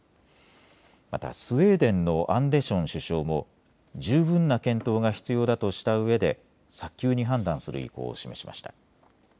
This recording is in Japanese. またスウェーデンのアンデション首相も十分な検討が必要だとしたうえで早急に判断する意向を示しました。